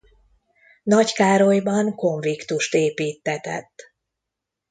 Nagykárolyban konviktust építtetett.